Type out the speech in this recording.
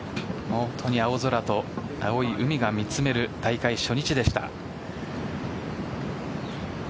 本当に青空と青い海が見つめる大会初日でした。